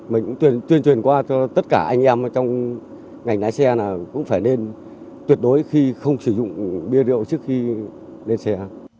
mình cũng tuyên truyền qua cho tất cả anh em trong ngành lái xe là cũng phải nên tuyệt đối khi không sử dụng bia rượu trước khi lên xe